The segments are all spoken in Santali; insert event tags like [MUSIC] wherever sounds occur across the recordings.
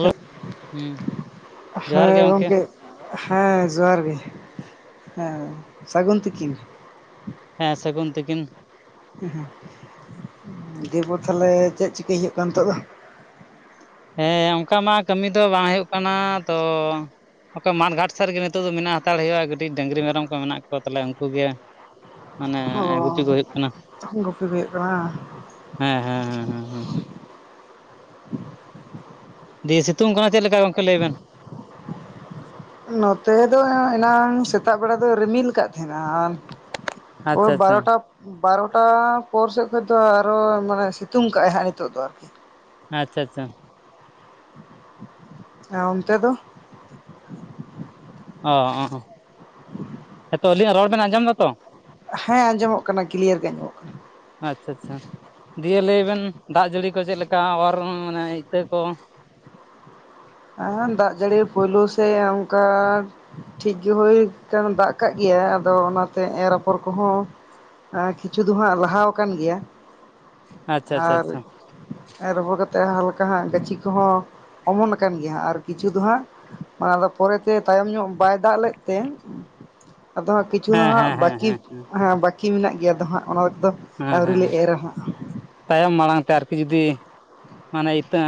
ᱦᱮᱞᱳ ᱦᱩᱸ ᱡᱚᱦᱟᱨ ᱜᱮ ᱦᱮᱸ ᱜᱚᱝᱠᱮ ᱦᱮᱸ ᱡᱚᱦᱟᱨ ᱜᱮ ᱦᱮᱸ ᱥᱟᱹᱜᱩᱱ ᱛᱤᱠᱤᱱ ᱦᱮᱸ ᱥᱟᱹᱜᱩᱱ ᱛᱤᱠᱤᱱ ᱦᱩᱸ ᱦᱩᱸ ᱫᱮᱵᱚ ᱛᱟᱦᱚᱞᱮ ᱪᱮᱜ ᱪᱤᱠᱟᱹᱭ ᱦᱩᱭᱩᱜ ᱠᱟᱱ ᱱᱤᱛᱚᱜ ᱫᱚ ᱦᱮᱸ ᱚᱝᱠᱟ ᱢᱟ ᱠᱟᱹᱢᱤ ᱫᱚ ᱵᱟᱝ ᱦᱩᱭᱩᱜ ᱠᱟᱱᱟ ᱛᱚ ᱚᱠᱟ ᱢᱟᱴ ᱜᱷᱟᱴ ᱥᱮᱜ ᱨᱮᱜᱤ ᱱᱤᱛᱚᱜ ᱫᱚ ᱢᱮᱱᱟᱜ ᱦᱟᱛᱟᱲ ᱦᱩᱭᱩᱜᱼᱟ ᱠᱟᱹᱴᱤᱡ ᱰᱟᱹᱝᱨᱤ ᱢᱮᱨᱚᱢ ᱠᱚ ᱢᱮᱱᱟᱜ ᱠᱚᱣᱟ ᱛᱟᱞᱮᱭᱟ ᱩᱱᱠᱩ ᱜᱮ ᱢᱟᱱᱮ ᱜᱩᱯᱤ ᱠᱚ ᱚ ᱦᱳᱭᱳᱜ ᱠᱟᱱᱟ ᱜᱩᱯᱤ ᱠᱚ ᱦᱩᱭᱩᱜ ᱠᱟᱱᱟ ᱦᱮᱸ ᱦᱮᱸ ᱦᱮᱸ ᱦᱮᱸ ᱦᱩᱸ ᱫᱤᱭᱮ ᱥᱤᱛᱩᱝ ᱠᱟᱱᱟ ᱪᱮᱜ ᱞᱮᱠᱟ ᱜᱚᱝᱠᱮ ᱞᱟᱹᱭ ᱵᱮᱱ ᱱᱚᱛᱮ ᱫᱚ ᱮᱱᱟᱝ ᱥᱮᱛᱟᱜ ᱵᱮᱲᱟ ᱫᱚ ᱨᱤᱢᱤᱞ ᱠᱟᱜ ᱛᱟᱦᱮᱱᱟ ᱳᱭ ᱟᱪᱪᱷᱟ ᱟᱪᱪᱷᱟ ᱵᱟᱨᱚᱴᱟ ᱵᱟᱨᱚᱴᱟ ᱯᱚᱨ ᱥᱮᱜ ᱠᱷᱚᱡ ᱫᱚ ᱟᱨ ᱦᱚᱸ ᱢᱟᱱᱮ ᱥᱤᱛᱩᱝ ᱠᱟᱜᱟᱭ ᱦᱟᱸᱜ ᱱᱤᱛᱚᱜ ᱫᱚ ᱟᱨᱠᱤ ᱟᱪᱪᱷᱟ ᱟᱪᱪᱷᱟ ᱦᱮᱸ ᱚᱱᱛᱮ ᱫᱚ ᱚ [UNINTELLIGIBLE] ᱦᱤᱛᱚᱜ ᱟᱹᱞᱤᱧᱟᱜ ᱨᱚᱲ ᱵᱮᱱ ᱟᱸᱡᱚᱢ ᱫᱟᱛᱚ ᱦᱮᱸ ᱟᱸᱡᱚᱢᱚᱜ ᱠᱟᱱᱟ ᱠᱞᱤᱭᱟᱨ ᱜᱮ ᱟᱸᱡᱚᱢᱚᱜ ᱠᱟᱱᱟ ᱟᱪᱪᱷᱟ ᱟᱪᱪᱷᱟ ᱫᱤᱭᱮ ᱞᱟᱹᱭ ᱵᱮᱱ ᱫᱟᱜ ᱡᱟᱹᱲᱤ ᱠᱚ ᱪᱮᱜ ᱞᱮᱠᱟ ᱟᱵᱟᱨ ᱢᱟᱱᱮ ᱤᱛᱟᱹ ᱠᱚ ᱫᱟᱜ ᱡᱟᱹᱲᱤ ᱯᱳᱭᱞᱳ ᱥᱮ ᱚᱝᱠᱟ ᱴᱷᱤᱠ ᱜᱮ ᱦᱳᱭ ᱠᱟᱱ ᱫᱟᱜ ᱠᱟᱜ ᱜᱮᱭᱟᱭ ᱟᱫᱚ ᱚᱱᱟ ᱛᱮ ᱮᱨ ᱟᱯᱚᱨ ᱠᱚᱦᱚᱸ ᱟ ᱠᱤᱪᱷᱩ ᱫᱚ ᱦᱟᱸᱜ ᱞᱟᱦᱟᱣ ᱟᱠᱟᱱ ᱜᱮᱭᱟ ᱟᱪᱪᱷᱟ ᱟᱪᱪᱷᱟ ᱟᱨ ᱟᱪᱪᱷᱟ ᱮᱨ ᱟᱯᱷᱚᱨ ᱠᱟᱛᱮ ᱦᱟᱞᱠᱟ ᱦᱟᱸᱜ ᱜᱟᱹᱪᱷᱤ ᱠᱚᱦᱚᱸ ᱚᱢᱚᱱ ᱠᱟᱱ ᱜᱮᱭᱟ ᱦᱟᱸᱜ ᱟᱨ ᱠᱤᱪᱷᱩ ᱫᱚ ᱦᱟᱸᱜ ᱢᱟᱱᱮ ᱟᱫᱚ ᱯᱚᱨᱮ ᱛᱮ ᱛᱟᱭᱚᱢ ᱧᱚᱜ ᱵᱟᱭ ᱫᱟᱜ ᱞᱮᱜ ᱛᱮ ᱟᱫᱚ ᱦᱟᱸᱜ ᱠᱤᱪᱷᱩ ᱦᱮᱸ ᱦᱟᱸᱜ ᱦᱮᱸ ᱦᱮᱸ ᱵᱟᱠᱤ ᱦᱮᱸ ᱦᱮᱸ ᱵᱟᱠᱤ ᱢᱮᱱᱟᱜ ᱜᱮᱭᱟ ᱫᱚ ᱦᱟᱸᱜ ᱚᱱᱟᱫᱚ ᱦᱮᱸ ᱦᱮᱸ ᱛᱟᱭᱚᱢ ᱢᱟᱲᱟᱝ ᱛᱮ ᱟᱨᱠᱤ ᱡᱩᱫᱤ ᱢᱟᱱᱮ ᱤᱛᱟᱹ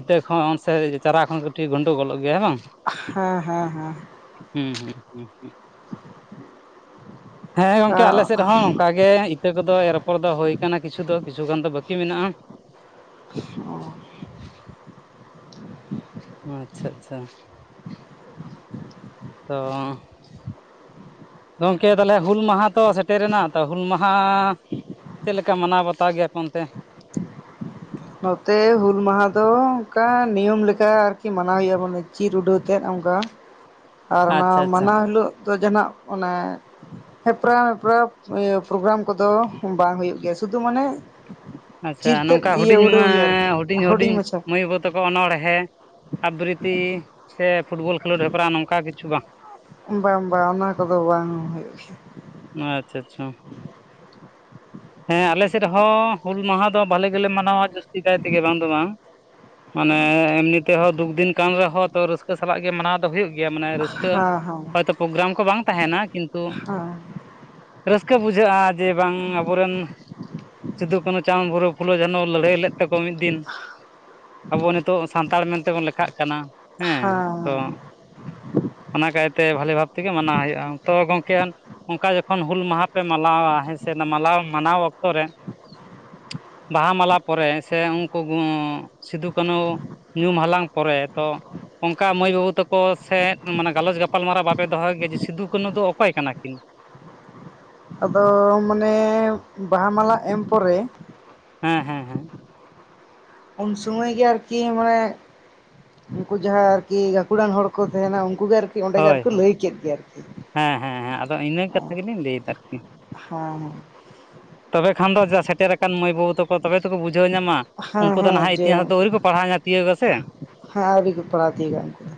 ᱤᱛᱟᱹ ᱠᱷᱚᱱ ᱥᱮ ᱪᱟᱨᱟ ᱠᱷᱚᱱ ᱠᱟᱹᱴᱤᱡ ᱜᱳᱱᱰᱳᱜᱳᱞᱚᱜ ᱜᱮᱭᱟ ᱦᱮᱸ ᱵᱟᱝ ᱦᱮᱸ ᱦᱮᱸ ᱦᱩᱸ ᱦᱩᱸ ᱦᱩᱸ ᱦᱩᱸ ᱦᱮᱸ ᱜᱚᱝᱠᱮ ᱟᱞᱮ ᱥᱮᱜ ᱨᱮᱦᱚᱸ ᱱᱚᱝᱠᱟ ᱜᱮ ᱤᱛᱟᱹ ᱠᱚ ᱫᱚ ᱮᱨ ᱟᱯᱷᱚᱨ ᱫᱚ ᱦᱳᱭ ᱠᱟᱱᱟ ᱠᱤᱪᱷᱩ ᱫᱚ ᱠᱤᱪᱷᱩ ᱜᱟᱱ ᱫᱚ ᱵᱟᱹᱠᱤ ᱢᱮᱱᱟᱜᱼᱟ [UNINTELLIGIBLE] ᱟᱪᱪᱷᱟ ᱟᱪᱪᱷᱟ ᱛᱚ ᱜᱚᱝᱠᱮ ᱛᱟᱦᱚᱞᱮ ᱦᱩᱞ ᱢᱟᱦᱟ ᱛᱚ ᱥᱮᱴᱮᱨᱮᱱᱟ ᱛᱚ ᱦᱩᱞ ᱢᱟᱦᱟ ᱪᱮᱜ ᱞᱮᱠᱟ ᱢᱟᱱᱟᱣ ᱵᱟᱛᱟᱣ ᱜᱮᱭᱟᱯᱮ ᱚᱱᱛᱮ ᱱᱚᱛᱮ ᱦᱩᱞ ᱢᱟᱦᱟ ᱫᱚ ᱚᱝᱠᱟ ᱱᱤᱭᱚᱢ ᱞᱮᱠᱟ ᱟᱨᱠᱤ ᱢᱟᱱᱟᱣ ᱦᱩᱭᱩᱜ ᱟ ᱵᱚᱞᱮ ᱪᱤᱨ ᱩᱰᱟᱹᱣᱛᱮᱫ ᱚᱱᱠᱟ ᱟᱨ ᱚᱱᱟ ᱟᱪᱪᱷᱟ ᱟᱪᱪᱷᱟ ᱢᱟᱱᱟᱣ ᱦᱤᱞᱳᱜ ᱫᱚ ᱡᱟᱦᱟᱸᱱᱟᱜ ᱚᱱᱮ [UNINTELLIGIBLE] ᱯᱨᱳᱜᱜᱨᱟᱢ ᱠᱚᱫᱚ ᱵᱟᱝ ᱦᱩᱭᱩᱜ ᱜᱮᱭᱟ ᱥᱩᱫᱩ ᱢᱟᱱᱮ ᱟᱪᱪᱷᱟ ᱪᱤᱨᱛᱮᱫ ᱱᱚᱝᱠᱟ ᱤᱭᱟᱹ ᱦᱩᱰᱤᱧ ᱢᱟᱹᱻᱻ ᱩᱰᱟᱹᱣ ᱦᱩᱭᱩᱜᱼᱟ ᱟᱨᱠᱤ ᱦᱩᱰᱤᱧ ᱦᱩᱰᱤᱧ ᱢᱟᱪᱷᱟ ᱢᱟᱹᱭ ᱵᱟᱹᱵᱩ ᱛᱟᱠᱚ ᱚᱱᱚᱬᱦᱮᱸ ᱟᱵᱵᱨᱤᱛᱤ ᱥᱮ ᱯᱷᱩᱴᱵᱚᱞ ᱠᱷᱮᱞᱳᱰ ᱦᱮᱯᱨᱟᱣ ᱱᱚᱝᱠᱟ ᱠᱤᱹᱪᱷᱩ ᱵᱟᱝ ᱵᱟᱝ ᱵᱟᱝ ᱚᱱᱟ ᱠᱚᱫᱚ ᱵᱟᱝ ᱦᱩᱭᱩᱜᱹ ᱜᱮᱼᱭᱟ ᱟᱪᱪᱷᱟ ᱟᱪᱪᱷᱟ ᱦᱮᱸ ᱟᱞᱮ ᱥᱮᱫ ᱦᱚᱸ ᱦᱩᱞ ᱡᱟᱦᱟᱸ ᱫᱚ ᱵᱷᱟᱞᱮ ᱜᱮᱹᱞᱮ ᱢᱟᱱᱟᱣᱟ ᱡᱟᱹᱥᱛᱤ ᱠᱟᱭ ᱛᱮᱜᱮ ᱵᱟᱝ ᱫᱚ ᱵᱟᱝ ᱢᱟᱹᱱᱮ ᱮᱢᱱᱤ ᱛᱮᱦᱚᱸ ᱫᱩᱠ ᱫᱤᱱ ᱠᱟᱱᱟᱱ ᱨᱮᱦᱚᱸ ᱛᱚ ᱨᱟᱹᱥᱠᱟᱹ ᱥᱟᱞᱟᱜ ᱜᱮ ᱢᱟᱱᱟᱼᱣ ᱦᱩᱭᱩᱜᱹ ᱜᱮᱼᱭᱟ ᱢᱟᱹᱱᱮ ᱨᱟᱹᱥᱠᱟᱹ ᱜᱮᱭᱟ ᱦᱮᱸ ᱦᱚᱭᱛᱳ ᱯᱨᱳᱜᱨᱼᱟᱢ ᱠᱚ ᱵᱟᱝ ᱛᱟᱦᱮᱱᱟ ᱠᱤᱱᱛᱩ ᱦᱮᱸ ᱨᱟᱹᱥᱠᱟᱹ ᱵᱩᱡᱷᱟᱹᱜᱼᱟ ᱡᱮ ᱵᱟᱝᱹ ᱟᱵᱚᱨᱮᱱ ᱥᱤᱫᱩᱼ ᱠᱟᱹᱱᱩ ᱪᱟᱸᱫᱽ ᱵᱩᱨᱩ ᱯᱷᱩᱞᱳ ᱡᱮᱱᱚ ᱞᱟᱹᱲᱦᱟᱹᱭ ᱞᱮᱫ ᱛᱮᱟᱠᱚ ᱢᱤᱫ ᱫᱤᱱᱹ ᱟᱵᱚ ᱱᱤᱛᱳᱜ ᱥᱟᱱᱛᱟᱲ ᱢᱮᱱᱹᱛᱮᱵᱚᱱ ᱞᱮᱹᱠᱷᱟᱜ ᱠᱟᱱᱟ ᱦᱮᱸ ᱛᱚ [INAUDIBLE] ᱚᱱᱟ ᱠᱟᱭᱛᱮ ᱵᱷᱟᱞᱮ ᱵᱷᱟᱵᱽ ᱛᱮᱸᱜᱮ ᱢᱟᱱᱟᱼᱣ ᱦᱩᱭᱩᱜᱼᱟ ᱛᱚ ᱜᱚᱝᱹᱠᱮ ᱚᱱᱠᱟᱹ ᱡᱚᱹᱠᱷᱚᱱ ᱦᱩᱞ ᱡᱟᱦᱟᱸ ᱯᱮ ᱢᱟᱞᱟᱣᱼᱟ ᱦᱮᱸ ᱥᱮ ᱢᱟᱹᱞᱟᱣ ᱢᱟᱱᱟᱼᱣ ᱚᱠᱛᱚ ᱨᱮ ᱵᱟᱦᱟ ᱢᱟᱞᱟᱹ ᱯᱚᱨᱮ ᱥᱮ ᱩᱱᱠᱩ ᱥᱤᱫᱩ ᱠᱟᱹᱱᱩ ᱧᱩᱢ ᱦᱟᱹᱞᱟᱝ ᱯᱚᱨᱮ ᱛᱚ ᱚᱱᱠᱟ ᱢᱟᱹᱭ ᱵᱟᱹᱵᱩ ᱛᱟᱠᱚ ᱥᱮᱫ ᱢᱟᱹᱱᱮ ᱜᱟᱞᱚᱪ ᱜᱟᱯᱟᱞᱢᱟᱨᱟᱣ ᱵᱟᱯᱮ ᱫᱚᱦᱚᱼᱭ ᱜᱮᱼᱭᱟ ᱡᱮ ᱥᱤᱫᱩ ᱠᱟᱹᱱᱩ ᱫᱚ ᱚᱼᱠᱚᱭ ᱠᱟᱱᱟ ᱠᱤᱱ ᱟᱼᱫᱚ ᱢᱟᱹᱱᱮ ᱵᱟᱦᱟ ᱢᱟᱞᱟᱹ ᱮᱢ ᱯᱚᱨᱮ ᱦᱮᱸ ᱦᱮᱸ ᱦᱮᱸ ᱩᱱ ᱥᱚᱢᱚᱼᱭ ᱜᱮ ᱟᱨᱹᱠᱤ ᱢᱟᱹᱱᱮ ᱩᱱᱠᱩ ᱡᱟᱦᱟᱸ ᱟᱨᱹᱠᱤ ᱜᱟᱹᱠᱷᱩᱲᱟᱱ ᱦᱚᱲᱹ ᱠᱚ ᱛᱟᱦᱮᱱᱟᱹ ᱩᱱᱠᱩ ᱜᱮ ᱟᱨᱹᱠᱤ ᱚᱸᱰᱮᱜ ᱦᱳᱭ ᱟᱨᱠᱚ ᱦᱳᱭ ᱞᱟᱹᱭ ᱠᱮᱫ ᱜᱮ ᱟᱨᱹᱠᱤ ᱦᱮᱸ ᱦᱮᱸ ᱦᱮᱸ ᱟᱼᱫᱚ ᱤᱱᱟᱹ ᱠᱟᱛᱷᱟᱹ ᱜᱮᱹᱞᱤᱧ ᱞᱟᱹᱭᱮᱫᱟ ᱟᱨᱹᱠᱤ ᱦᱮᱸ ᱛᱚᱵᱮ ᱠᱷᱟᱱᱹ ᱫᱚ ᱡᱟ ᱥᱮᱴᱮᱨ ᱟᱼᱠᱟᱱ ᱢᱟᱹᱭ ᱵᱟᱹᱵᱩ ᱛᱟᱠᱚ ᱛᱚᱵᱮ ᱛᱠᱚ ᱵᱩᱡᱷᱟᱹᱣ ᱧᱟᱢᱟᱹ ᱦᱮᱸ ᱩᱱᱠᱩ ᱫᱚ ᱦᱮᱸ ᱱᱟᱦᱟᱼᱜ ᱡᱮ ᱤᱛᱤᱦᱟᱸᱟᱥ ᱨᱮ ᱫᱚ ᱟᱹᱣᱨᱤ ᱠᱚ ᱯᱟᱲᱹᱦᱟᱣᱧᱟᱹ ᱛᱤᱭᱳᱜᱟᱹ ᱥᱮ ᱦᱮᱸ ᱦᱮᱸ ᱟᱹᱣᱨᱤ ᱠᱚ ᱯᱟᱲᱦᱟᱣ ᱛᱤᱭᱳᱜᱟ ᱩᱱᱠᱩ ᱫᱚ᱾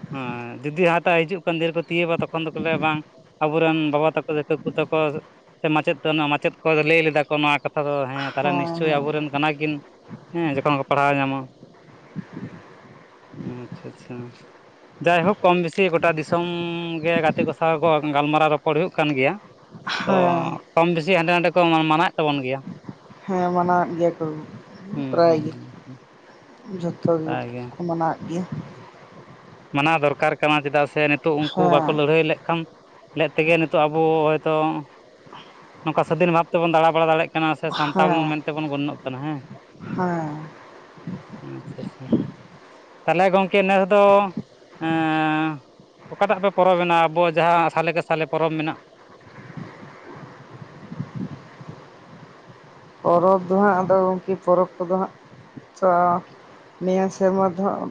ᱡᱩᱫᱤ ᱦᱟᱛᱟᱜ ᱦᱤᱡᱩᱜ ᱠᱟᱱᱹ ᱫᱤᱭᱮ ᱠᱚ ᱛᱤᱭᱳᱵᱟᱹ ᱛᱚ ᱠᱷᱚᱱ ᱫᱚ ᱠᱚ [INAUDIBLE] ᱵᱟᱝ ᱟᱵᱚᱨᱮᱱ ᱵᱟᱵᱟ ᱛᱟᱠᱚ ᱫᱤᱠᱩ ᱠᱚ ᱛᱟᱠᱚ ᱥᱮ ᱢᱟᱹᱪᱮᱫ ᱢᱟᱹᱪᱮᱫ ᱠᱚ ᱞᱟᱹᱭ ᱞᱮᱫᱟ ᱠᱚ ᱱᱚᱹᱣᱟ ᱠᱟᱛᱷᱟᱹ ᱠᱟᱛᱷᱟᱹ ᱫᱚ ᱦᱮᱸ ᱛᱟᱦᱚᱸᱞᱮ ᱱᱤᱥᱪᱳᱼᱭ ᱟᱵᱚᱨᱮᱱ ᱠᱟᱱᱟᱹᱠᱤᱱ ᱦᱮᱸ ᱡᱚᱹᱠᱷᱚᱱ ᱠᱚ ᱯᱟᱲᱦᱟᱼᱣ ᱧᱟᱢᱟᱹ ᱟᱼᱪᱷᱟᱹ ᱟᱼᱪᱷᱟᱹ ᱡᱟᱭᱸᱦᱳᱠ ᱠᱚᱢ ᱵᱮᱥᱤ ᱜᱚᱴᱟᱹ ᱫᱤᱥᱚᱢᱹ ᱜᱮ ᱜᱟᱛᱮ ᱠᱚ ᱥᱟᱶᱟᱣ ᱠᱚᱸ ᱜᱟᱞᱢᱟᱨᱟᱼᱣ ᱨᱚᱯᱚᱲᱹ ᱦᱩᱭᱩᱜᱹ ᱠᱟᱱ ᱜᱮᱼᱭᱟ ᱛᱚ ᱦᱮᱸ ᱠᱚᱢ ᱵᱮᱥᱤ ᱦᱟᱸᱰᱮ ᱱᱟᱰᱮ ᱠᱚ ᱢᱟᱹᱱᱟᱣᱮᱫ ᱛᱟᱵᱚᱱ ᱜᱮᱼᱭᱟᱹ ᱦᱮᱸ ᱢᱟᱹᱱᱟᱣᱮᱫ ᱜᱮᱼᱭᱟ ᱠᱚ ᱦᱩᱸ ᱯᱨᱟᱭ ᱦᱩᱸ ᱜᱮ ᱡᱚᱛᱚ ᱜᱮ ᱚᱱᱠᱟᱜᱮ ᱠᱚᱸ ᱢᱟᱱᱟᱼᱣ ᱟᱸ ᱜᱮᱼᱭᱟᱹ ᱢᱟᱱᱟᱼᱣ ᱫᱚᱨᱠᱟᱨᱹ ᱠᱟᱱᱟ ᱪᱮᱫᱟᱜᱹ ᱥᱮ ᱱᱤᱛᱚᱼᱜ ᱩᱱᱠᱩ ᱵᱟᱹᱠᱚ ᱦᱮᱸ ᱞᱟᱹᱲᱦᱟᱹᱭ ᱞᱮ ᱠᱷᱟᱱᱹ ᱞᱮᱫ ᱛᱮᱜᱮ ᱱᱤᱛᱚᱼᱜ ᱟᱵᱚ ᱦᱚᱭᱸᱛᱚ ᱱᱚᱝᱹᱠᱟ ᱥᱟᱹᱫᱷᱤᱱ ᱵᱷᱟᱵᱽ ᱛᱮᱵᱚᱱ ᱫᱟᱬᱟᱵᱲᱟ ᱫᱟᱲᱮᱭᱟᱜ᱾ ᱠᱟᱱᱟᱹ ᱥᱮ ᱥᱟᱱᱛᱟᱲᱹ ᱦᱮᱸ ᱢᱮᱱᱹᱛᱮᱵᱚᱱ ᱜᱚᱱᱼᱱᱚᱜᱹ ᱠᱟᱱᱟ ᱦᱮᱸ ᱦᱮᱸ ᱟᱼᱪᱷᱟ ᱟᱼᱪᱷᱟ ᱛᱟᱦᱚᱸᱞᱮ ᱜᱚᱝᱹᱠᱮ ᱱᱮᱥ ᱫᱚ᱾ [INAUDIBLE] ᱚᱠᱟᱴᱟᱜᱹ ᱯᱮ ᱯᱚᱨᱚᱵᱽᱮᱱᱟ ᱟᱸᱵᱚ ᱡᱟᱦᱟᱸ ᱥᱟᱞᱮ ᱠᱮᱥᱟᱞᱮ ᱯᱚᱨᱚᱵᱽ ᱢᱮᱱᱟᱜᱼᱟᱹ ᱯᱚᱨᱚᱵᱽ ᱫᱚ ᱦᱟᱸᱜ ᱟᱼᱫᱚ ᱜᱠᱤ ᱯᱚᱨᱚᱵᱽ ᱠᱚᱫᱚᱹ ᱦᱟᱸᱜ ᱪᱷᱟᱹ ᱱᱤᱭᱟᱹ ᱥᱮᱨᱢᱟᱹ ᱫᱚᱹᱦᱚᱸ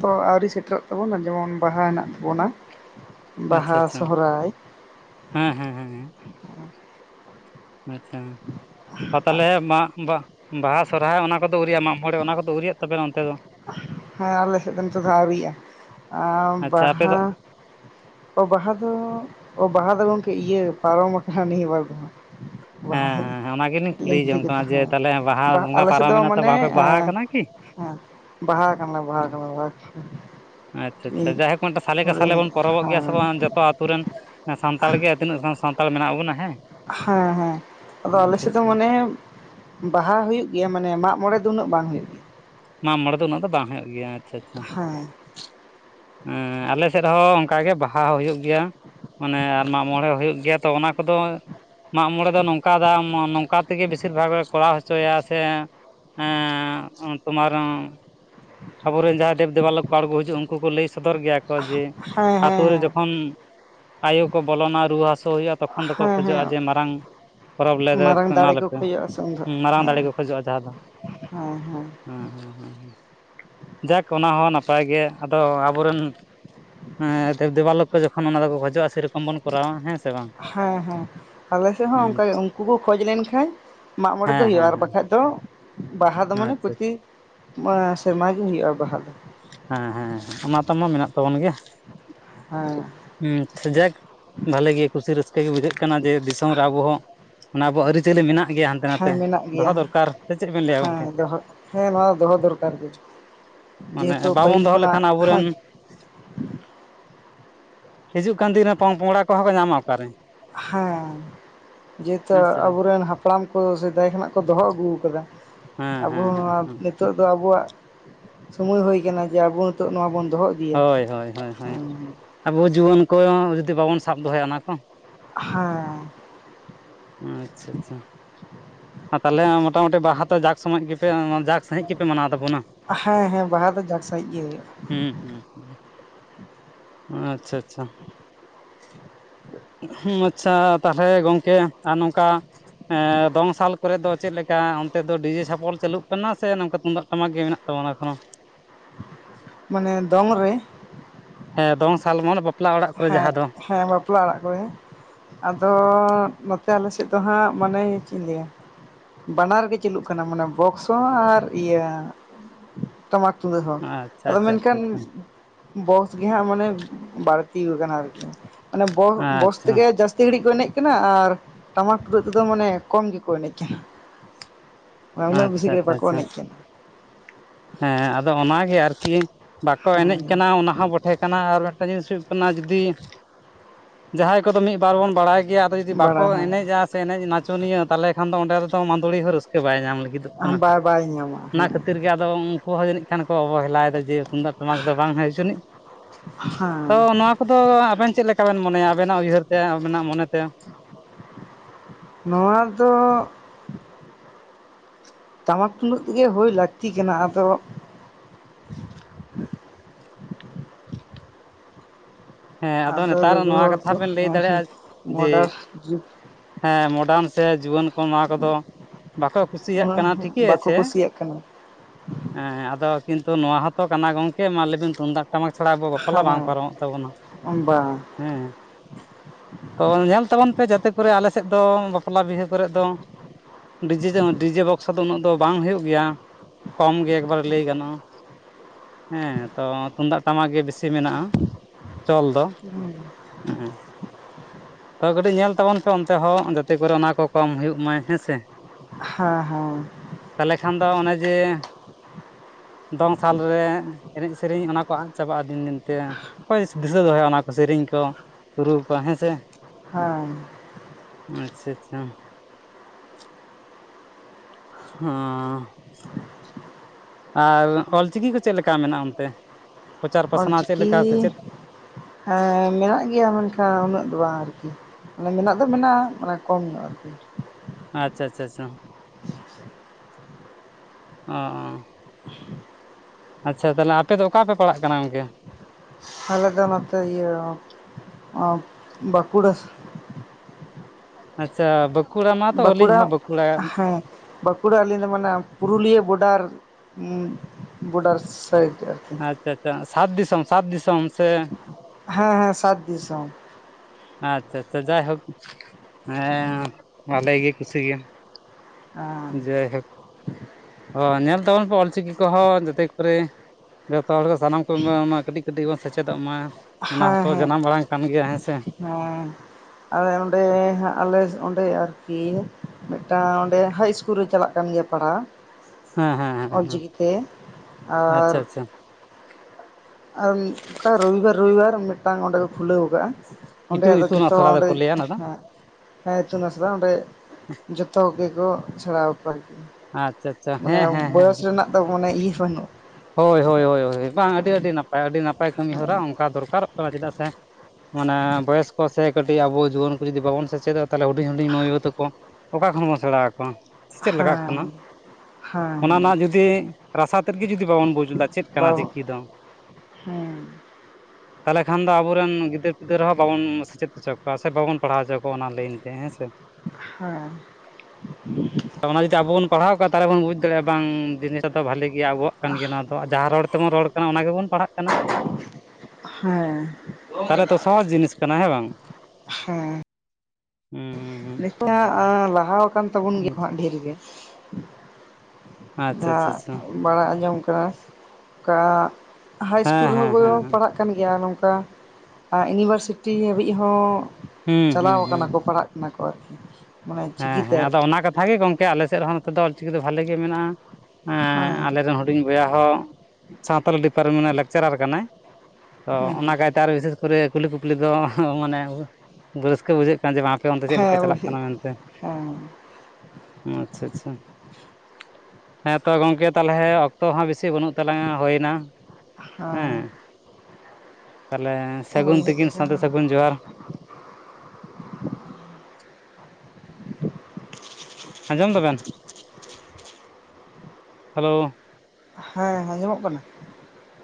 ᱛᱚ ᱟᱹᱣᱨᱤ ᱥᱮᱴᱮᱨᱚᱜ ᱛᱟᱵᱚᱱᱟ ᱡᱮᱹᱢᱚᱱ ᱵᱟᱦᱟᱹ ᱦᱮᱸᱱᱟᱜ ᱛᱟᱵᱚᱱᱟᱹ ᱟᱼᱪᱷᱟ ᱟᱼᱪᱷᱟ ᱦᱮᱸ ᱦᱮᱸ ᱦᱮᱸ ᱦᱮᱸ ᱟᱼᱪᱷᱟ ᱵᱟ ᱛᱟᱦᱚᱸᱞᱮ ᱢᱟᱹ ᱵᱟᱹ ᱵᱟᱦᱟ ᱥᱚᱨᱚᱦᱟᱼᱭ ᱚᱱᱟ ᱠᱚᱫᱚᱹ ᱩᱨᱤᱭᱼᱟ ᱢᱟᱜᱢᱚᱸᱬᱮ ᱚᱱᱟᱹ ᱠᱚᱫᱚᱹ ᱟᱹᱩᱨᱤᱭᱟᱜ ᱛᱟᱵᱮᱱᱟ ᱚᱱᱛᱮ ᱫᱚ᱾ ᱦᱮᱸ ᱟᱞᱮ ᱥᱮᱫ ᱫᱚ ᱱᱤᱛᱚᱜ ᱫᱚ ᱦᱟᱨᱤᱣᱜᱼᱟ ᱟᱨ ᱟᱪᱪᱷᱟ ᱟᱯᱮ ᱫᱚ ᱵᱟᱦᱟᱹ ᱚ ᱵᱟᱦᱟᱹ ᱫᱚ ᱵᱟᱦᱟᱹ ᱫᱚ ᱜᱚᱝᱹᱠᱮ ᱤᱭᱟᱹ ᱯᱟᱨᱚᱢ ᱟᱼᱠᱟᱱᱟ ᱱᱤᱦ ᱵᱟᱨ ᱫᱚ᱾ [INAUDIBLE] ᱵᱟᱦᱟ ᱦᱮᱸ ᱚᱱᱟ ᱜᱮᱞᱤᱧ ᱞᱮ ᱠᱩᱞᱤ ᱤ ᱡᱚᱝ ᱠᱮᱫᱟ ᱠᱟᱱᱟ ᱡᱮ ᱦᱮᱸ ᱛᱟᱦᱚᱞᱮ ᱵᱟᱦᱟ ᱵᱟᱦ ᱵᱚᱸᱜᱟ ᱟᱼᱞᱮ ᱥᱮᱫ ᱫᱚ ᱯᱟᱨᱚᱢᱮᱱᱟ ᱛᱚ ᱢᱟᱹᱱᱮ ᱵᱟᱯᱮ ᱵᱟᱦᱟ ᱦᱮᱸ ᱟᱠᱟᱱᱟ ᱠᱤ ᱵᱟᱦᱟ ᱠᱟᱱᱟ ᱞᱮᱸ ᱵᱟᱦᱟ ᱠᱟᱱᱟ ᱞᱮᱸ ᱟᱼᱪᱷᱟ ᱟᱼᱪᱷᱟ ᱡᱟᱸᱟᱭᱦᱳ ᱢ ᱢᱤᱫᱴᱮᱱ ᱥᱟᱞᱮ ᱠᱟ ᱥᱟᱞᱮ ᱵᱚᱱ ᱯᱚᱨᱚᱵᱚᱼᱜ ᱜᱮᱼᱭᱟ ᱦᱮᱸ ᱥᱮᱵᱼᱧᱸ ᱡᱚᱛᱚ ᱟᱛᱩ ᱨᱮᱱ ᱥᱟᱱᱛᱟᱲᱹ ᱜᱮᱸ ᱛᱤᱱᱟᱹᱜ ᱥᱟᱣᱜᱸ ᱥᱟᱱᱛᱟᱲᱹ ᱢᱮᱱᱟᱼᱜ ᱵᱚᱱᱟ ᱦᱮᱸ ᱦᱮᱸ ᱦᱮᱸ ᱟᱫᱚ ᱟᱞᱮ ᱟᱪᱪᱷᱟ ᱥᱮᱫ ᱟᱪᱪᱷᱟ ᱢᱟᱱᱮ ᱵᱟᱦᱟ ᱦᱩᱭᱩᱜ ᱜᱮᱭᱟ ᱢᱟᱱᱮ ᱢᱟᱜ ᱢᱚᱬᱮ ᱫᱚ ᱩᱱᱟᱹᱜ ᱵᱟᱝ ᱦᱩᱭᱩᱜ ᱜᱮᱭᱟ ᱢᱚᱲ ᱫᱚᱱᱟᱹᱜ ᱫᱚ ᱵᱟᱝ ᱦᱩᱭᱩᱜ ᱜᱮᱭᱟ ᱟᱪᱪᱷᱟ ᱟᱷᱟ ᱦᱮᱸ ᱟᱞᱮ ᱥᱮᱫ ᱦᱚᱸ ᱚᱱᱠᱟᱜᱮ ᱵᱟᱦᱟ ᱦᱚᱸ ᱦᱩᱭᱩᱜ ᱜᱮᱭᱟ ᱢᱟᱱᱮ ᱟᱨ ᱢᱟᱜ ᱢᱚᱬᱮ ᱦᱩᱭᱩᱜ ᱜᱮᱭᱟ ᱛᱚ ᱚᱱᱟ ᱠᱚᱫᱚ ᱢᱟᱜ ᱢᱚᱬᱮ ᱫᱚ ᱱᱚᱝᱠᱟ ᱫ ᱱᱚᱝᱠᱟ ᱛᱮᱜᱮ ᱵᱮᱥᱤᱨ ᱵᱷᱟᱜᱽ ᱠᱚᱨᱟᱣ ᱦᱚᱪᱚ ᱦᱚᱪᱚᱭᱟ ᱥᱮ ᱛᱳᱢᱟᱨ ᱟᱵᱚᱨᱮᱱ ᱡᱟᱦᱟᱸᱭ ᱫᱮᱵᱼ ᱫᱮᱵᱟᱞ ᱠᱚ ᱟᱬᱜᱚ ᱦᱤᱡᱩᱜᱼᱟ ᱩᱱᱠᱩ ᱠᱚ ᱞᱟᱹᱭ ᱥᱚᱫᱚᱨ ᱜᱮᱭᱟ ᱠᱚ ᱡᱮ ᱦᱮᱸ ᱟᱛᱳ ᱦᱮᱸ ᱨᱮ ᱦᱮᱸ ᱡᱚᱠᱷᱚᱱ ᱟᱭᱳ ᱠᱚ ᱵᱚᱞᱚᱱᱟ ᱨᱩᱣᱟᱹ ᱦᱟᱹᱥᱩ ᱦᱩᱭᱩᱜᱼᱟ ᱛᱚᱠᱷᱚᱱ ᱫᱚᱠᱚ ᱦᱮᱸ ᱠᱷᱚᱡᱚᱜᱼᱟ ᱦᱮᱸ ᱡᱮ ᱢᱟᱨᱟᱝ ᱯᱚᱨᱚᱵᱽ ᱞᱮ ᱢᱟᱨᱟᱝ ᱫᱟᱲᱮ ᱠᱚ ᱮᱢᱟᱞᱮᱯᱮ ᱠᱷᱚᱡᱚᱜᱼᱟ ᱥᱮ ᱩᱱ ᱡᱚᱦᱚᱜ ᱢᱟᱨᱟᱝ ᱫᱟᱲᱮ ᱦᱮᱸ ᱠᱚ ᱠᱷᱚᱡᱚᱜᱼᱟ ᱡᱟᱦᱟᱸ ᱫᱚ ᱦᱮᱸ ᱦᱮᱸ ᱦᱩᱸ ᱦᱩᱸ ᱦᱩᱸ ᱦᱩᱸ ᱡᱟᱠ ᱚᱱᱟ ᱦᱚᱸ ᱱᱟᱯᱟᱭ ᱜᱮ ᱟᱫᱚ ᱟᱵᱚᱨᱮᱱ ᱮᱸ ᱫᱮᱵᱟᱞᱳᱽ ᱡᱚᱠᱷᱱ ᱚᱱᱟᱠᱚ ᱠᱷᱚᱡᱚᱜᱼᱟ ᱥᱤᱨ ᱚᱢ ᱵᱚᱱ ᱠᱚᱨᱟᱣᱟ ᱦᱮᱸ ᱥᱮ ᱵᱟᱝ ᱦᱮᱸ ᱦᱮᱸ ᱟᱞᱮᱥᱮᱫ ᱦᱚᱸ ᱦᱮᱸ ᱚᱱᱠᱟ ᱩᱱᱠᱩ ᱠᱚ ᱠᱷᱚᱚᱡ ᱞᱮᱱᱠᱷᱟᱱ ᱢᱟᱜ ᱢᱚᱬᱮ ᱫᱚ ᱦᱩᱭᱩᱜᱼᱟ ᱦᱮᱸ ᱟᱨ ᱦᱮᱸ ᱵᱟᱠᱷᱟᱡ ᱫᱚ ᱵᱟᱦᱟ ᱫᱚ ᱢᱟᱱᱮ ᱟᱪᱪᱷᱟ ᱯᱚᱛᱤ ᱥᱮᱨᱢᱟ ᱜᱮ ᱦᱩᱭᱩᱜᱼᱟ ᱵᱟᱦᱟ ᱫᱚ ᱦᱮᱸ ᱦᱮᱸ ᱚᱱᱟ ᱛᱚ ᱢᱟ ᱢᱮᱱᱟᱜ ᱛᱟᱵᱚᱱ ᱜᱮ ᱦᱮᱸ ᱦᱸ ᱥᱡᱟᱠ ᱵᱷᱟᱮᱜ ᱜᱮ ᱠᱩᱥᱤ ᱨᱟᱹᱥᱠᱟᱹ ᱜᱮ ᱵᱩᱡᱷᱟᱹᱜ ᱠᱟᱱᱟ ᱡᱮ ᱫᱤᱥᱚᱢ ᱨᱮ ᱟᱵᱚ ᱦᱚᱸ ᱚᱱᱟ ᱟᱵᱚᱣᱟᱜ ᱟᱹᱨᱤᱪᱟᱹᱞᱤ ᱢᱮᱱᱟᱜ ᱜᱮᱭᱟ ᱦᱟᱱᱛᱮ ᱦᱮᱸ ᱱᱟᱛᱮ ᱢᱮᱱᱟᱜ ᱫᱚᱦᱚ ᱜᱮᱭᱟ ᱫᱚᱨᱠᱟᱨ ᱥᱮ ᱪᱮᱫ ᱵᱮᱱ ᱞᱟᱹᱭᱟ ᱜᱚᱝᱠᱮ ᱦᱮᱸ ᱫᱚᱦᱚ ᱦᱮᱸ ᱱᱚᱣᱟ ᱫᱚᱦᱚ ᱫᱚᱨᱠᱟᱨ ᱜᱮ ᱢᱟᱱᱮ ᱡᱮᱦᱮᱛᱩ ᱵᱟᱵᱚᱱ ᱯᱟᱹᱦᱤᱞ ᱫᱚᱦᱚ ᱠᱷᱚᱱᱟᱜ ᱞᱮᱠᱷᱟᱱ ᱟᱵᱚᱨᱮᱱ ᱦᱤᱡᱩᱜ ᱠᱟᱱ ᱫᱤᱱ ᱨᱮ ᱯᱚᱝᱯᱚᱝᱲᱟ ᱠᱚᱦᱚᱸ ᱠᱚ ᱧᱟᱢᱟ ᱚᱠᱟᱨᱮ ᱦᱮᱸ ᱡᱮᱚ ᱦᱮᱸ ᱥᱮ ᱵᱟᱝ ᱟᱵᱚᱨᱮᱱ ᱦᱟᱯ ᱦᱟᱯᱲᱟᱢ ᱠᱚ ᱥᱮᱫᱟᱭ ᱠᱷᱚᱱᱟᱜ ᱠᱚ ᱫᱚᱦᱚ ᱟᱹᱜᱩ ᱟᱠᱟᱫᱟ ᱦᱮᱸ ᱟᱵᱚ ᱦᱮᱸ ᱦᱚᱸ ᱦᱮᱸ ᱱᱚᱣᱟ ᱦᱮᱸ ᱱᱤᱛᱚᱜ ᱫᱚ ᱟᱵᱩᱣᱟᱜ ᱥᱳᱢᱚᱭ ᱦᱳᱭ ᱟᱠᱟᱱᱟ ᱡᱮ ᱟᱵᱚ ᱱᱤᱛᱚᱜ ᱱᱚᱣᱟ ᱵᱚᱱ ᱫᱚᱦᱚ ᱦᱚ ᱦᱳᱭ ᱦᱳᱭ ᱦᱳᱭ ᱟᱵᱚ ᱡᱩᱣᱟᱹᱱ ᱠᱚ ᱡᱩᱫᱤ ᱵᱟᱵᱚᱱ ᱥᱟᱵ ᱫᱚᱦᱚᱭᱟ ᱚᱱᱟ ᱠᱚ ᱦᱮᱸ ᱟᱪᱪᱷᱟ ᱟᱪᱪᱷᱟ ᱛᱟᱦᱚᱞᱮ ᱢᱚᱴᱟᱢᱩᱴᱤ ᱵᱟᱦᱟ ᱛᱚ ᱡᱟᱠ ᱥᱚᱢᱚᱭ ᱜᱮᱯᱮ ᱡᱟᱠ ᱥᱟᱺᱦᱤᱡ ᱜᱮᱯᱮ ᱢᱟᱱᱟᱣ ᱛᱟᱵᱚᱱᱟ ᱦᱮᱸ ᱦᱮᱸ ᱵᱟᱦᱟ ᱫᱚ ᱡᱟᱠ ᱥᱟᱺᱦᱤᱡ ᱜᱮ ᱦᱩᱭᱩᱜ ᱦᱩᱸ ᱦᱩᱸ ᱦᱩᱸ ᱟᱪᱪᱷᱟ ᱟᱪᱪᱷᱟ ᱟᱪᱪᱷᱟ ᱛᱟᱦᱚᱞᱮ ᱜᱚᱝᱠᱮ ᱟᱨ ᱱᱚᱝᱠᱟ ᱫᱚᱝ ᱥᱟᱞ ᱠᱚᱨᱮ ᱫᱚ ᱪᱮᱫᱞ ᱞᱮᱠᱟ ᱚᱱᱛᱮ ᱫᱚ ᱰᱤᱡᱮ ᱪᱷᱟᱯᱚᱞ ᱪᱟᱹᱞᱩᱜ ᱠᱟᱱᱟ ᱥᱮ ᱱᱚᱝᱠᱟ ᱛᱩᱢᱫᱟᱜ ᱴᱟᱢᱟᱜᱠ ᱜᱮ ᱢᱮᱱᱟᱜ ᱛᱟᱵᱚᱱᱟ ᱮ ᱠᱷᱚᱱᱚᱱᱳ ᱢᱟᱱᱮ ᱫᱚᱝ ᱨᱮ ᱦᱮᱸ ᱫᱚᱝ ᱥᱟᱞᱢᱟᱱ ᱵᱟᱯᱞᱟ ᱚᱲᱟᱜ ᱠᱚᱨᱮ ᱦᱮᱸ ᱡᱟᱦᱟᱸ ᱫᱚ ᱦᱮᱸ ᱵᱟᱯᱞᱟ ᱚᱲᱟᱜ ᱠᱚᱨᱮ ᱟᱫᱚ ᱱᱚᱛᱮ ᱟᱞᱮᱥᱮᱫ ᱫᱚ ᱦᱟᱸᱜ ᱢᱟᱱᱮ ᱪᱮᱫ ᱤᱧ ᱞᱟᱹᱭᱟ? ᱵᱟᱱᱟᱨ ᱜᱮ ᱪᱟᱹᱞᱩᱜ ᱠᱟᱱᱟ ᱢᱮ ᱵᱚᱠᱥ ᱦᱚᱸ ᱟᱨ ᱤᱭᱟᱹ ᱴᱟᱢᱟᱠ ᱛᱩᱢᱫᱟᱹᱜ ᱦᱚᱸ ᱟᱪᱪᱷᱟ ᱟᱫᱚ ᱟᱪᱪᱷᱟ ᱟᱪᱪᱷᱟ ᱢᱮᱱᱠᱷᱟᱱ ᱵᱚᱥ ᱜᱮᱦᱟᱸᱜ ᱢᱟᱱᱮ ᱵᱟᱹᱲᱛᱤ ᱠᱟᱱᱟ ᱟᱨᱠᱤ ᱢᱟᱱᱮ ᱵᱚᱥ ᱟᱪᱪᱷᱟ ᱛᱮᱜᱮ ᱡᱟᱹᱛᱤ ᱛᱤ ᱜᱷᱲᱤᱡ ᱠᱚ ᱮᱱᱮᱡ ᱠᱟᱱᱟ ᱟᱨ ᱴᱟᱢᱟᱠ ᱴᱩᱫᱟᱹᱜ ᱛᱮᱫᱚ ᱢᱟᱱᱮ ᱠᱚᱢ ᱜᱮᱠᱚ ᱮᱱᱮᱡ ᱠᱟᱱᱟ᱾ ᱟᱱ ᱩᱱᱟᱹ ᱟᱪᱪᱷᱟ ᱵᱮᱥᱤᱤᱡ ᱟᱪᱪᱷᱟ ᱵᱟᱠᱚ ᱟᱪᱪᱷᱟ ᱮᱱᱮᱡ ᱠᱟᱱᱟ᱾ ᱦᱮᱸ ᱟᱫᱚ ᱚᱱᱟᱜᱮ ᱟᱨᱠᱤ ᱵᱟᱠᱚ ᱮᱱᱮᱡ ᱦᱮᱸ ᱠᱟᱱᱟ ᱚᱱᱟ ᱦᱚᱸ ᱛᱟᱦᱮᱸ ᱠᱟᱱᱟ ᱟᱨ ᱢᱤᱫᱴᱟᱝ ᱡᱤᱱᱤᱥ ᱦᱩᱭᱩᱜ ᱠᱟᱱᱟ ᱡᱩᱫᱤ ᱡᱟᱦᱟᱸᱭ ᱠᱚᱫᱚ ᱢᱤᱫ ᱵᱟᱨ ᱵᱚᱱ ᱵᱟᱲᱟᱭ ᱜᱮᱭᱟ᱾ ᱡᱩᱫᱤ ᱵᱟᱠᱚ ᱵᱟᱲᱟᱭ ᱦᱮᱸ ᱮᱱᱮᱡᱼᱟ ᱥᱮ ᱮᱱᱮᱡ ᱱᱟᱪᱚᱱᱤᱭᱟᱹ ᱛᱟᱦᱚᱞᱮ ᱠᱷᱟᱱ ᱫᱚ ᱚᱸᱰᱮ ᱫᱚ ᱢᱫᱲᱤ ᱦᱚᱸ ᱨᱟᱹᱥᱠᱟᱹ ᱵᱟᱭ ᱧᱟᱢ ᱞᱮᱼᱟ ᱞᱟᱹᱜᱤᱫᱚᱜ ᱠᱟᱱᱟ ᱵᱟᱭ ᱵᱟᱭ ᱧᱟᱢᱟ ᱚᱱᱟ ᱦᱮᱸ ᱠᱷᱟᱹᱛᱤᱨ ᱜᱮ ᱟᱫᱚ ᱩᱱᱠᱩ ᱦᱚᱸ ᱡᱟᱹᱱᱤᱡ ᱠᱷᱟᱱ ᱠᱚ ᱚᱵᱚᱦᱮᱞᱟᱭᱮᱫᱟ ᱡᱮ ᱛᱩᱢᱫᱟᱜ ᱛᱚᱢᱟᱠ ᱫᱚ ᱵᱟᱝ ᱦᱮ ᱡᱟᱹᱱᱤᱡ ᱛᱚ ᱦᱮᱸ ᱱᱚᱣᱟ ᱟᱫᱚ ᱟᱵᱮᱱ ᱪᱮᱫ ᱞᱮᱠᱟᱵᱮᱱ ᱢᱚᱱᱮᱭᱟ ᱟᱵᱮᱱᱟᱜ ᱩᱭᱦᱟᱹᱨᱛᱮ ᱟᱵᱮᱱᱟᱜ ᱢᱚᱱᱮᱛᱮ? ᱱᱚᱣᱟ ᱫᱚ ᱴᱟᱢᱟᱠ ᱛᱩᱢᱫᱟᱹᱜ ᱛᱮᱜᱮ ᱦᱩᱭ ᱞᱟᱹᱠᱛᱤ ᱠᱟᱱᱟ ᱟᱫᱚ ᱦᱮᱸ ᱟᱫᱚ ᱱᱮᱛᱟᱨ ᱨᱩᱨᱩ ᱱᱚᱣᱟ ᱦᱚᱲ ᱠᱟᱛᱷᱟ ᱠᱚ ᱵᱮᱱ ᱞᱟᱹᱭ ᱫᱟᱲᱮᱭᱟᱜᱼᱟ ᱡᱮ ᱢᱚᱰᱟᱨ ᱡᱩᱜᱽ ᱦᱮᱸ ᱢᱚᱰᱟᱨᱱ ᱥᱮ ᱡᱩᱣᱟᱹᱱ ᱠᱚ ᱱᱚᱣᱟ ᱠᱚᱫᱚ ᱵᱟᱠᱚ ᱠᱩᱥᱤᱭᱟᱜ ᱩᱱᱟᱹᱜ ᱠᱟᱱᱟ ᱴᱷᱤᱠ ᱴᱷᱤᱠᱮ ᱵᱟᱠᱚ ᱟᱪᱷᱮ ᱠᱩᱥᱤᱭᱟᱜ ᱠᱟᱱᱟ ᱦᱮᱸ ᱟᱫᱚ ᱠᱤᱱᱛᱩ ᱱᱚᱣᱟ ᱦᱚᱸᱛᱚ ᱠᱟᱱᱟ ᱜᱚᱝᱠᱮ ᱢᱟ ᱟᱞᱮᱵᱮᱱ ᱛᱩᱢᱫᱟᱜ ᱴᱟᱢ ᱴᱟᱢᱟᱠ ᱪᱷᱟᱲᱟ ᱟᱵᱚ ᱵᱟᱯᱞᱟ ᱵᱟᱝ ᱯᱟᱨᱚᱢᱚᱜ ᱛᱟᱵᱚᱱᱟ ᱵᱟᱝ ᱦᱮᱸ ᱛᱚ ᱧᱮᱞ ᱛᱟᱵᱚᱱ ᱯᱮ ᱡᱟᱛᱮ ᱠᱚᱨᱮ ᱟᱞᱮ ᱥᱮᱫ ᱫᱚ ᱵᱟᱯᱞᱟ ᱵᱤᱦᱟᱹ ᱠᱚᱨᱮ ᱫᱚ ᱰᱤᱡᱮ ᱫᱚ ᱰᱤᱡᱮ ᱵᱚᱠᱥ ᱫᱚ ᱩᱱᱟᱹᱜ ᱫᱚ ᱵᱟᱝ ᱦᱩᱭᱩᱜ ᱜᱮᱭᱟ ᱠᱚᱢ ᱜᱮ ᱮᱠᱵᱟᱨᱮ ᱞᱟᱹᱭ ᱜᱟᱱᱚᱜᱼᱟ ᱦᱮᱸ ᱛᱚ ᱛᱩᱢᱫᱟᱜ ᱴᱟᱢᱟᱠ ᱜᱮ ᱵᱤᱥᱤ ᱢᱮᱱᱟᱜᱼᱟ ᱪᱚᱞ ᱫᱚ ᱦᱮᱸ ᱛᱚ ᱠᱟᱹᱴᱤᱡ ᱧᱮᱞ ᱛᱟᱵᱚᱱ ᱯᱮ ᱚᱱᱛᱮ ᱦᱚᱸ ᱡᱟᱛᱮ ᱠᱚᱨᱮ ᱚᱱᱟ ᱠᱚ ᱠᱚᱢ ᱦᱩᱭᱩᱜ ᱢᱟᱭ ᱦᱮᱸᱥᱮ ᱦᱮᱸ ᱦᱮᱸ ᱛᱟᱦᱚᱞᱮ ᱠᱷᱟᱱ ᱫᱚ ᱚᱱᱮ ᱡᱮ ᱫᱚᱝ ᱥᱟᱞᱨᱮ ᱮᱱᱮᱡ ᱥᱮᱨᱮᱧ ᱚᱱᱟ ᱠᱚ ᱟᱫ ᱪᱟᱵᱟᱜᱼᱟ ᱫᱤᱱ ᱫᱤᱱᱛᱮ ᱚᱠᱚᱭ ᱫᱤᱥᱟᱹ ᱫᱚᱦᱚ ᱚᱱᱟ ᱠᱚ ᱥᱮᱨᱮᱧ ᱠᱚ ᱨᱩᱨᱩᱩᱣ ᱠᱚᱣᱟ ᱦᱮᱸ ᱥᱮᱮ ᱦᱮᱸ ᱟᱪᱪᱷᱟ ᱟᱪᱪᱷᱟ ᱦᱮᱸ ᱟᱨ ᱚᱞ ᱪᱤᱠᱤ ᱠᱚ ᱪᱮᱫᱞ ᱞᱮᱠᱟ ᱢᱮᱱᱟᱜᱼᱟ ᱚᱱᱛᱮ ᱯᱨᱚᱪᱟᱨ ᱯᱟᱥᱱᱟᱣ ᱪᱮᱫ ᱚᱞᱪᱤᱠᱤ ᱞᱮᱠᱟ ᱥᱮ ᱪᱮᱫ ᱦᱮᱸ ᱢᱮᱱᱟᱜ ᱜᱮᱭᱟ ᱢᱮᱱᱠᱷᱟᱱ ᱩᱱᱟᱹᱜ ᱫᱚ ᱵᱟᱝ ᱟᱨᱠᱤ ᱢᱟᱱᱮ ᱢᱮᱱᱟᱜ ᱫᱚ ᱢᱮᱱᱟᱜᱼᱟ ᱢᱟᱱᱮ ᱠᱚᱢ ᱧᱚᱜ ᱟᱨᱠᱤ ᱟᱪᱪᱷᱟ ᱟᱪᱪᱷᱟ ᱟᱪᱪᱷᱟ ᱚ ᱟᱪᱪᱷᱟ ᱛᱟᱦᱚᱞᱮ ᱟᱯᱮ ᱫᱚ ᱚᱠᱟ ᱯᱮ ᱯᱟᱲᱦᱟᱜ ᱠᱟᱱᱟ ᱜᱚᱢᱠᱮ ᱟᱞᱮ ᱫᱚ ᱱᱚᱛ ᱤᱭᱟᱹ ᱵᱟᱸᱠᱩᱲᱟ ᱟᱪᱪᱷᱟ ᱵᱟᱸᱠᱩᱲᱟ ᱢᱟᱛᱚ ᱟᱹᱞᱤᱧ ᱦᱚᱸ ᱵᱟᱸᱠᱩᱲᱟ ᱦᱮᱸ ᱵᱟᱸᱠᱩᱲᱟ ᱟᱹᱞᱤᱧ ᱫᱚ ᱢᱟᱱᱮ ᱯᱩᱨᱩᱞᱤᱭᱟᱹ ᱵᱚᱰᱟᱨ ᱵᱚᱰᱟᱨ ᱥᱟᱭᱤᱰ ᱟᱨ ᱟᱪᱪᱷᱟ ᱟᱪᱪᱷᱟ ᱥᱟᱛ ᱫᱤᱥᱚᱢ ᱥᱟᱛ ᱫᱤᱥᱚᱢ ᱥᱮ ᱦᱮᱸ ᱦᱮᱸ ᱥᱟᱛ ᱫᱤᱥᱚᱢ ᱟᱪᱪᱷᱟ ᱟᱪᱪᱷᱟ ᱡᱟᱭᱦᱳᱠ ᱦᱮᱸ ᱵᱷᱷᱟᱞᱮ ᱜᱮ ᱠᱩᱥᱤ ᱜᱮᱟᱢ ᱦᱮᱸ ᱡᱟᱭᱦᱳᱠ ᱚ ᱧᱮᱞ ᱛᱟᱵᱚᱱ ᱯᱮ ᱚᱞᱪᱤᱠᱤ ᱠᱚᱦᱚᱸ ᱡᱟᱛᱮ ᱠᱚᱨᱮ ᱡᱚᱛᱚ ᱦᱚᱲ ᱠᱚ ᱥᱟᱱᱟᱢ ᱠᱚ ᱢᱟ ᱠᱟᱹᱴᱤᱡ ᱠᱟᱹᱴᱤᱡ ᱵᱚᱱ ᱥᱮᱪᱮᱫᱚᱜ ᱢᱟ ᱚᱱᱟ ᱦᱚᱸᱛᱚ ᱡᱟᱱᱟᱢ ᱵᱟᱲᱟᱝ ᱠᱟᱱ ᱜᱮᱭᱟ ᱦᱮᱸ ᱥᱮ ᱦᱩᱸ ᱟᱞᱮ ᱚᱸᱰᱮ ᱟᱞᱮ ᱚᱸᱰᱮ ᱟᱨᱠᱤ ᱢᱤᱫᱴᱟᱝ ᱚᱸᱰᱮ ᱦᱟᱭ ᱤᱥᱠᱩᱞ ᱨᱮ ᱪᱟᱞᱟᱜ ᱠᱟᱱᱟ ᱠᱟᱱ ᱜᱮᱭᱟ ᱯᱟᱲᱦᱟᱜ ᱦᱮᱸ ᱦᱮᱸ ᱦᱮᱸ ᱚᱞ ᱦᱮᱸ ᱪᱤᱠᱤ ᱛᱮ ᱟᱨ ᱟᱪᱪᱷᱟ ᱟᱪᱪᱷᱟ ᱟᱨ ᱚᱱᱠᱟ ᱨᱚᱵᱤᱵᱟᱨ ᱨᱚᱵᱤᱵᱟᱨ ᱢᱤᱫᱴᱟᱝ ᱚᱸᱰᱮ ᱠᱚ ᱠᱷᱩᱞᱟᱹᱣ ᱟᱠᱟᱫᱼᱟ ᱚᱸᱰᱮ ᱤᱛᱩᱱ ᱟᱫᱚ ᱤᱛᱩᱱ ᱡᱚᱛᱚ ᱟᱥᱲᱟ ᱫᱚᱠᱚ ᱚᱸᱰᱮᱧ ᱞᱟᱹᱭᱟ ᱚᱱᱟ ᱫᱚ ᱦᱮᱸ ᱦᱮᱸ ᱤᱛᱩᱱ ᱟᱥᱲᱟ ᱚᱸᱰᱮ ᱡᱚᱛᱚᱜᱮᱠᱚ ᱥᱮᱬᱟ ᱟᱠᱚᱣᱟ ᱟᱨᱠᱤ ᱟᱪᱪᱷᱟ ᱟᱪᱪᱷᱟ ᱢᱟᱱᱮ ᱦᱮᱸ ᱦᱮᱸ ᱦᱮᱸ ᱵᱚᱭᱚᱥ ᱨᱮᱱᱟᱜ ᱫᱚ ᱢᱟᱱᱮ ᱤᱭᱟᱹ ᱵᱟᱹᱱᱩᱜᱼᱟ ᱦᱳᱭ ᱦᱳᱭ ᱦᱳᱭ ᱵᱟᱝ ᱟᱹᱰᱤ ᱟᱹᱰᱤ ᱱᱟᱯᱟᱭ ᱟᱹᱰᱤ ᱱᱟᱯᱟᱭ ᱠᱟᱹᱢᱤᱦᱚᱨᱟ ᱚᱱᱠᱟ ᱫᱚᱨᱠᱟᱨᱚᱜ ᱠᱟᱱᱟ ᱪᱮᱫᱟᱜ ᱥᱮ ᱢᱟᱱᱮ ᱵᱚᱭᱚᱥ ᱠᱚ ᱥᱮ ᱠᱟᱹᱴᱤᱡ ᱟᱵᱚ ᱡᱩᱣᱟᱹᱱ ᱠᱚ ᱡᱩᱫᱤ ᱵᱟᱵᱚᱱ ᱥᱮᱪᱮᱫᱚᱜᱼᱟ ᱛᱟᱦᱚᱞᱮ ᱦᱩᱰᱤᱧ ᱦᱩᱰᱤᱧ ᱢᱟᱹᱭ ᱵᱵᱩ ᱛᱟᱠᱚ ᱚᱠᱟ ᱠᱷᱚᱱ ᱵᱚᱱ ᱥᱮᱬᱟ ᱟᱠᱚᱣᱟ ᱥᱮᱪᱮᱫ ᱞᱟᱜᱟᱜ ᱠᱟᱱᱟ ᱦᱮᱸ ᱚᱱᱟ ᱦᱮᱸ ᱨᱮᱱᱟᱜ ᱡᱩᱫᱤ ᱨᱟᱥᱟ ᱛᱮᱫ ᱜᱮ ᱡᱩᱫᱤ ᱵᱟᱵᱚᱱ ᱵᱩᱡᱫᱟ ᱪᱮᱫ ᱵᱟ ᱠᱟᱱᱟ ᱪᱤᱠᱤ ᱫᱚ [UNINTELLIGIBLE] ᱛᱟᱦᱚᱞᱮ ᱠᱷᱟᱱ ᱫᱚ ᱟᱵᱚᱨᱮᱱ ᱜᱤᱫᱟᱹᱨᱼ ᱛᱟᱦᱟᱞᱮ ᱟᱵᱚᱨᱤᱱ ᱜᱤᱫᱟᱨ ᱯᱤᱫᱟᱹᱨ ᱦᱚᱸ ᱵᱟᱵᱚᱱ ᱥᱮᱪᱮᱫ ᱦᱚᱪᱚ ᱠᱚᱣᱟ ᱥᱮ ᱵᱟᱵᱚᱱ ᱯᱟᱲᱦᱟᱣ ᱦᱚᱪᱚ ᱠᱚᱣᱟ ᱚᱱᱟ ᱞᱟᱹᱭᱤᱱ ᱛᱮ ᱦᱮᱸ ᱥᱮ ᱦᱮᱸ ᱛᱚ ᱚᱱᱟ ᱡᱩᱫᱤ ᱟᱵᱚ ᱵᱚᱱ ᱯᱟᱲᱦᱟᱣ ᱠᱚᱣᱟ ᱛᱟᱦᱚᱞᱮ ᱵᱚᱱ ᱵᱩᱡᱽ ᱫᱟᱲᱮᱭᱟᱜᱼᱟ ᱵᱟᱝ ᱡᱤᱱᱤᱥ ᱟᱫᱚ ᱵᱷᱟᱹᱞᱤ ᱜᱮᱭᱟ ᱟᱵᱚᱣᱟᱜ ᱠᱟᱱ ᱜᱮᱭᱟ ᱱᱚᱣᱟ ᱫᱚ ᱛᱚ ᱡᱟᱦᱟᱸ ᱨᱚᱲ ᱛᱮᱵᱚᱱ ᱨᱚᱲ ᱠᱟᱱᱟ ᱚᱱᱟ ᱜᱮᱵᱚᱱ ᱯᱟᱲᱦᱟᱜ ᱠᱟᱱᱟ ᱦᱮᱸ ᱛᱟᱦᱚᱞᱮ ᱛᱚ ᱥᱚᱦᱡᱽ ᱡᱤᱱᱤᱥ ᱠᱟᱱᱟ ᱦᱮᱸ ᱵᱟᱝ ᱦᱮᱸ ᱦᱩᱸ ᱦᱩᱸ ᱦᱩᱸ [UNINTELLIGIBLE] ᱞᱟᱦᱟ ᱟᱠᱟᱱ ᱛᱟᱵᱚᱱ ᱜᱮᱭᱟ ᱦᱟᱸᱜ ᱰᱷᱮᱨ ᱜᱮ ᱢᱤᱫ ᱟᱪᱪᱷᱟ ᱟᱪᱪᱷᱟ ᱫᱷᱟᱣ‌ ᱟᱪᱪᱷᱟ ᱵᱟᱲᱟᱭ ᱟᱸᱡᱚᱢ ᱠᱟᱱᱟ ᱚᱱᱠᱟ ᱦᱟᱭ ᱤᱥᱠᱩᱞ ᱦᱮᱸ ᱨᱮᱦᱚᱸ ᱦᱮᱸ ᱠᱚ ᱦᱮᱸ ᱦᱚᱸ ᱦᱮᱸ ᱯᱟᱲᱦᱟᱜ ᱠᱟᱱ ᱜᱮᱭᱟ ᱱᱚᱝᱠᱟ ᱤᱭᱩᱱᱤᱵᱷᱟᱨᱥᱤᱴᱤ ᱦᱟᱹᱵᱤᱡ ᱦᱚᱸ ᱦᱩᱸ ᱦᱩᱸ ᱪᱟᱞᱟᱣ ᱦᱩᱸ ᱟᱠᱟᱱᱟ ᱠᱚ ᱯᱟᱲᱦᱟᱜ ᱠᱟᱱᱟ ᱠᱚ ᱟᱨᱠᱤ ᱢᱟᱱᱮ ᱦᱮᱸ ᱪᱤᱠᱤᱛᱮ ᱦᱮᱸ ᱟᱫᱚ ᱟᱨᱠᱤ ᱚᱱᱟ ᱠᱟᱛᱷᱟ ᱜᱮ ᱜᱚᱝᱠᱮ ᱟᱞᱮ ᱥᱮᱫ ᱨᱮᱦᱚᱸ ᱱᱚᱛᱮ ᱫᱚ ᱚᱞᱪᱤᱠᱤ ᱫᱚ ᱵᱷᱟᱞᱤ ᱜᱮ ᱢᱮᱱᱟᱜᱼᱟ᱾ ᱦᱮᱸ ᱟᱞᱮ ᱨᱤᱱ ᱦᱚᱲ ᱦᱩᱰᱤᱧ ᱵᱚᱭᱦᱟ ᱦᱚᱸ ᱥᱟᱶᱛᱟᱞᱤ ᱰᱤᱯᱟᱨᱴᱢᱮᱱᱴ ᱨᱮᱱ ᱞᱮᱠᱪᱟᱨᱟᱨ ᱠᱟᱱᱟᱭ, ᱛᱚ ᱚᱱᱟ ᱦᱮᱸ ᱠᱟᱭ ᱱᱮᱛᱟᱨ ᱵᱤᱥᱮᱥ ᱠᱚᱨᱮ ᱠᱩᱞᱦᱤ ᱠᱩᱯᱞᱤ ᱫᱚ ᱢᱟᱱᱮ ᱨᱟᱹᱥᱠᱟᱹ ᱵᱩᱡᱷᱟᱹᱜ ᱠᱟᱱᱟ ᱪᱮ ᱵᱟᱝ ᱟᱯᱮ ᱚᱱᱛᱮ ᱪᱮᱫ ᱞᱮᱠᱟ ᱦᱮᱸ ᱪᱟᱞᱟᱜ ᱵᱩᱡᱷᱟ. ᱠᱟᱱᱟ ᱢᱮᱱᱛᱮ ᱜ-ᱟ ᱦᱮᱸ ᱟᱪᱪᱷᱟ ᱟᱪᱪᱷᱟ ᱦᱮᱸ ᱛᱚ ᱜᱚᱝᱠᱮ ᱛᱟᱦᱚᱞᱮ ᱚᱠᱛᱚ ᱦᱚᱸ ᱵᱮᱥᱤ ᱵᱟᱹᱱᱩᱜ ᱛᱟᱞᱟᱝᱟ ᱦᱩᱭᱱᱟ ᱦᱮᱸ ᱛᱟᱦᱚᱞᱮ ᱦᱳᱭ ᱥᱟᱹᱜᱩᱱ ᱦᱮᱡ ᱛᱤᱠᱤᱱ ᱥᱟᱱᱛᱮ ᱟᱠᱟᱱᱟ ᱥᱟᱹᱜᱩᱱ ᱡᱚᱦᱟᱨ ᱟᱸᱡᱚᱢ ᱰᱟᱵᱮᱱ ᱦᱮᱞᱳᱣ ᱦᱮᱸ ᱟᱸᱡᱢᱚᱜ ᱠᱟᱱᱟ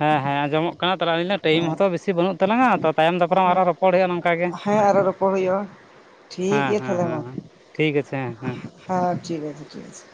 ᱦᱮᱸ ᱦᱮᱸ ᱟᱸᱡᱚᱢᱚᱜ ᱠᱟᱱᱟ ᱛᱟᱦᱚᱞᱮ ᱴᱟᱭᱤᱢ ᱦᱚᱸᱛᱚ ᱵᱮᱥᱤ ᱵᱟᱹᱱᱩᱜ ᱛᱟᱞᱟᱝᱟ ᱛᱟᱭᱚᱢ ᱫᱟᱯᱟᱨᱟᱢ ᱦᱮᱸ ᱟᱨᱦᱚᱸ ᱨᱚᱯᱚᱲ ᱦᱩᱭᱩᱜᱼᱟ ᱱᱚᱝᱠᱟ ᱜᱮ ᱦᱮᱸ ᱟᱨᱚ ᱨᱚᱯᱚᱲ ᱦᱩᱭᱩᱜᱼᱟ ᱴᱷᱤᱠ ᱦᱮᱸ ᱜᱮᱭᱟ ᱦᱮᱸ ᱛᱟᱦᱚᱞᱮ ᱢᱟ ᱦᱮᱸ ᱦᱮᱸ, ᱴᱷᱤᱠ ᱟᱪᱷᱮ ᱦᱮᱸ ᱦᱮᱸ ᱦᱮᱸ ᱴᱷᱤᱠ ᱟᱪᱷᱮ ᱴᱷᱤᱠ ᱟᱪᱷᱮ